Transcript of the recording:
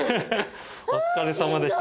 お疲れさまでした。